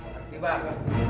ngerti bang ngerti